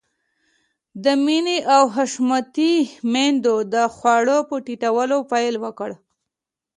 د مينې او حشمتي ميندو د خوړو په تيتولو پيل وکړ.